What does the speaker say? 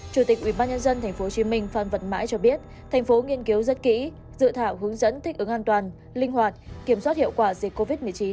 chủ tịch ubnd tp hcm phan văn mãi cho biết thành phố nghiên cứu rất kỹ dự thảo hướng dẫn thích ứng an toàn linh hoạt kiểm soát hiệu quả dịch covid một mươi chín